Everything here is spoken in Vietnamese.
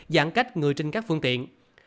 giãn cách người trên các phương tiện